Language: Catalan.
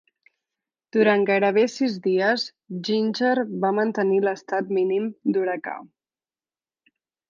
Durant gairebé sis dies, Ginger va mantenir l'estat mínim d'huracà.